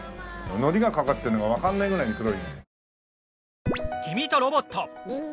海苔がかかってるのがわかんないぐらいに黒いね。